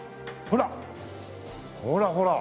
ほらほら。